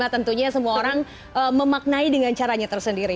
tentunya semua orang memaknai dengan caranya tersendiri